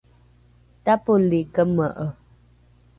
tapoli keme’e